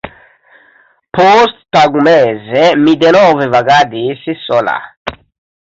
Posttagmeze mi denove vagadis sola.